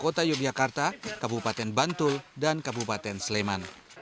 kota yogyakarta kabupaten bantul dan kabupaten sleman